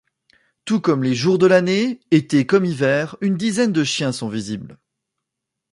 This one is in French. Tous les jours de l'année, été comme hiver, une dizaine de chiens sont visibles.